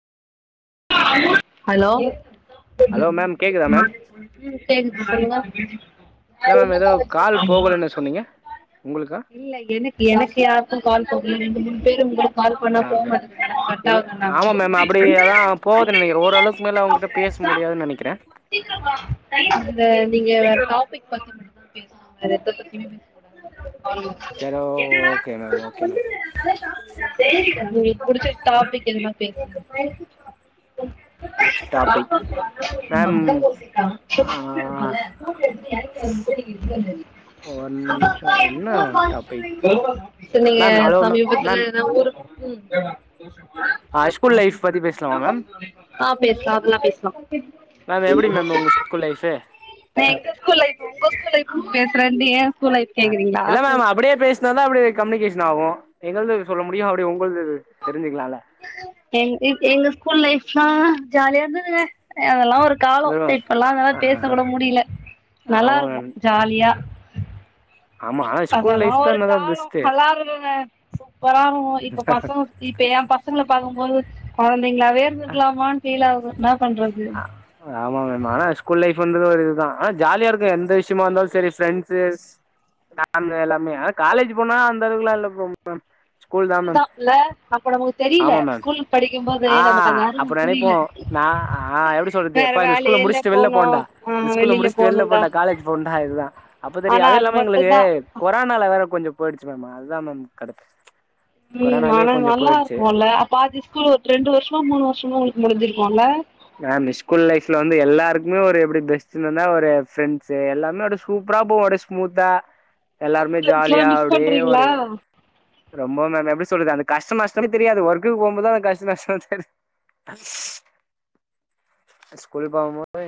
Hello hello ma'am கேக்குதா ma'am கேக்குது சொல்லுங்க இல்ல மேம் ஏதோ கால் போகலன்னு சொன்னீங்க உங்களுக்கா இல்ல எனக் எனக்கு யாக்கும் கால் பண் ரெண்டு மூணு பேரு முடியு கால் பண்ணா ஆ போ அப்படியா மாட்டுதுனாங்க கட் அவுதுனாங்க போவுது நெனைக்கிறேன் ஓரளவுக்கு மேல அவங்கிட்ட பேச முடியாதுன்னு நினைக்கிறேன் அந்த நீங்க வேற டாப்பிக் பத்தி மட்டுந்தா பேசுவாங்க வேற எத பத்தியுமே பேச கூடாது சரி என்னடா ஓகே மேம் அதல்லா ஓகே ஒன்னு மேம் இல்ல நல்லா சாப்புறா உங்களுக்கு புடிச்ச டாபிக் எதுனா பேசுங்க புடிச்ச டாபிக் மேம் ஆ ஒரு நிமிஷோ என்ன டாபிக் இல்லங்க மேம் ஹலோ மேம் சமீபத்துல மேம் எதா ஊருக் ம் ஆ ஸ்கூல் லைஃப் பத்தி பேசலாமா மேம் ஆ பேசலா அபிலா பேசலாம் மேம் எப்டி மேம் உங்க ஸ்கூல் லைஃபு ஏன் ஃபிரண்டு ஏ ஆ இல்ல மேம் அப்டே பேசனா தா அப்டே கம்யூனிகேஷ னாவும் எங்கள்து சொல்ல முடியும் அப்டே உங் எங் எங் எங்க ஸ்கூல் லைஃப்லா ஜாலியா இருந்ததுங்க அதெல்லா ஒ ரு இல்ல காலம் மேம் இப்பெல்லாம் ஆ அதலாம் பேச ஆ ஆ. கூட முடியில நல்லா ஆமா மேம் இருக்கும் ஜாலியா ஆமா ஆனா ஸ்கூல் லைஃப் அதெல்லாம் தா ஒரு என்னதா காலம் பெஸ்ட்டு நல்லா இருக்குங்க சூப்பரா இருக்கும் இப்ப பசங்க இப்ப ஏன் பசங்கள பாக்கமோது ஆன் சிங்ளாவே இருந்துருக்கலாமான் ஃபீல் ஆகும் ஆ ஆமா மேடம் ஆனா ஸ்கூல் லைஃப் சுந்தர வரைக்கும் தா ஆனா ஜாலியா இருக்கும் எந்த விஷியமா இருந்தாலும் செரி ஃபிரண்ட்ஸு [inaudible] எல்லாமே ஆனா காலேஜி போனா அந்த அளவுக்குலா இல்ல [inaudible] ஸ்கூல் மேம் தா இல்ல அப்ப நமக்கு தெரியில ஆமா மேம் ஸ்கூல் படிக்கமோது ஆ நமக்கு அந்த அப்ப அறிவு நெனைப்போ புரியில நா ஆ எப்டி சொல்றது எப்பா இந்த ஸ்கூல முடிச்சிட்டு வெள்ல போனோம் போறண்டா இந்த ஆஹ் ஸ்கூல்ல வெளியில முடிச்சிட்டு வெள்ல போகணும்டா போறண்டா காலேஜி போவுண்டா இதுதா அப்ப தெரி ஆனா அது இல்லாம எங்களுக்கு மட்டும்தான் கொரோனால வேற கொஞ்சம் போயிடுச்சி மேம் அதா மேம் கடுப்பு ம் கொரோனாலயே ஆனா கொஞ்சோ நல்லா போயிடுச்சு இருக்கும் இல்ல பாதி ஸ்கூல் ரெண்டு வருஷமோ மூணு வருஷமோ உங்களுக்கு முடிஞ்சிரு னும் இல்ல மேம் ஸ்கூல் லைஃப்ல வந்து எல்லாருக்குமே ஒரு எப்டி பெஸ்ட்ன்னுந்தா ஒரு ஃப்ரண்ட்ஸு எல்லாமே அப்டே சூப்பரா போவு அப்டே ஸ்மூத்தா ஸ்கூல் எல்லாருமே ஃப்ரெண்ட்ஸ் ஜாலியா எல்லாம் மிஸ் அப்டே பண்றீங்களா போறிங்க ரொம்ப மேம் எப்டி சொல்றது அந்த கஷ்டம் நஷ்டமே தெரியாது ஒர்க்குக்கு போம்போதா அந்த கஷ்டம் நஷ்டலா தெரிது ஸ்கூலு போமோது